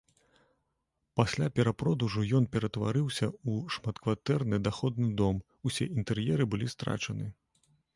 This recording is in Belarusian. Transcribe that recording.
Пасля перапродажу ён ператварыўся ў шматкватэрны даходны дом, усе інтэр'еры былі страчаны.